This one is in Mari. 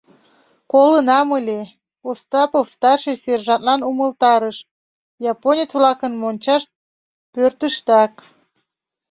— Колынам ыле, — Остапов старший сержантлан умылтарыш!, — японец-влакын мончашт — пӧртыштак.